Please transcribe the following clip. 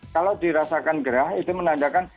kalau dirasakan gerah itu menandakan